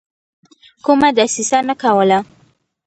کومه دسیسه نه کوله.